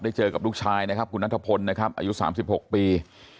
เจอกับลูกชายนะครับคุณนัทพลนะครับอายุ๓๖ปี